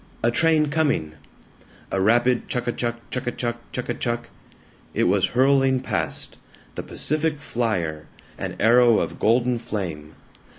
A train coming! A rapid chuck a chuck, chuck a chuck, chuck a chuck. It was hurling past the Pacific Flyer, an arrow of golden flame.